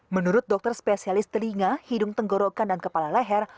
menurut dokter spesialis telinga hidung tenggorokan dan kepala leher